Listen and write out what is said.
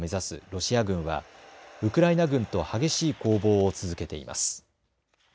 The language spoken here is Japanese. ロシア軍はウクライナ軍と激しい攻防を続けています。